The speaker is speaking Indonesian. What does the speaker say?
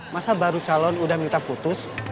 masa baru calon udah minta putus